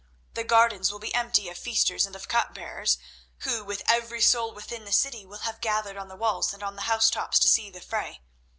The gardens will be empty of feasters and of cup bearers, who with every soul within the city will have gathered on the walls and on the house tops to see the fray.